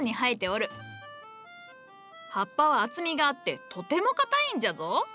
葉っぱは厚みがあってとても硬いんじゃぞ。